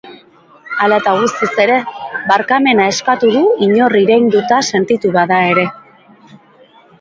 Hala eta guztiz ere, barkamena eskatu du inor irainduta sentitu bada ere.